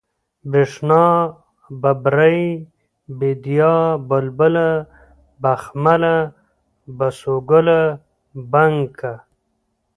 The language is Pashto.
برېښنا ، ببرۍ ، بېديا ، بلبله ، بخمله ، بسوگله ، بڼکه